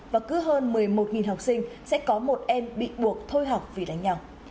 và cứ hơn một mươi một học sinh sẽ có một em bị buộc thôi học vì đánh nhau